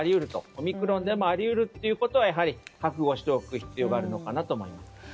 オミクロンでもあり得ることはやはり覚悟しておく必要があると思います。